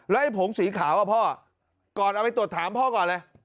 ไอ้ผงสีขาวอ่ะพ่อก่อนเอาไปตรวจถามพ่อก่อนเลย